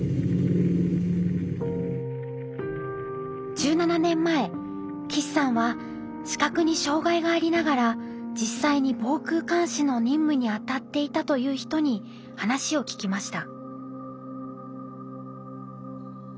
１７年前岸さんは視覚に障害がありながら実際に防空監視の任務にあたっていたという人に話を聞きました。